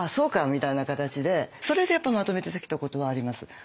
みたいな形でそれでまとめてきたことはあります。